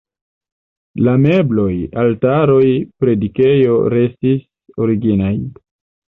La mebloj, altaroj, predikejo restis originaj.